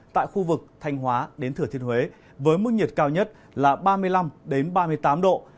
tại khu vực thanh hóa đến thừa thiên huế với mức nhiệt cao nhất là ba mươi năm ba mươi tám độ